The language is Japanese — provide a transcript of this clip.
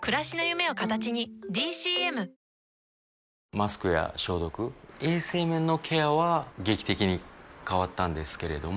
マスクや消毒衛生面のケアは劇的に変わったんですけれども